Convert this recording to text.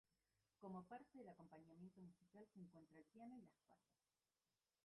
Como parte del acompañamiento musical, se encuentra el piano y las cuerdas.